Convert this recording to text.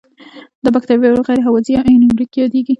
دا بکټریاوې غیر هوازی یا انئیروبیک یادیږي.